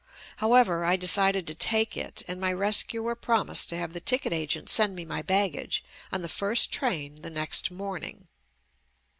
However, I decided to take it and my rescuer promised to have the ticket agent send me my baggage on the first train the next morning.